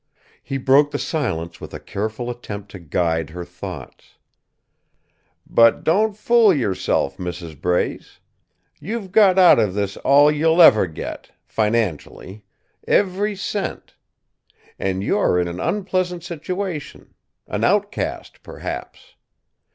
He broke the silence with a careful attempt to guide her thoughts: "But don't fool yourself, Mrs. Brace. You've got out of this all you'll ever get, financially every cent. And you're in an unpleasant situation an outcast, perhaps.